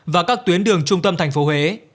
và các tuyến đường trung tâm thành phố huế